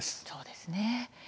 そうですね。